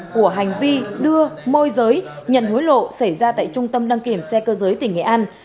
của hành vi đưa môi giới nhận hối lộ xảy ra tại trung tâm đăng kiểm xe cơ giới tỉnh nghệ an